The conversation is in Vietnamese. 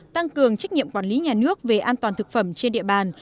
tăng cường trách nhiệm quản lý nhà nước về an toàn thực phẩm trên địa bàn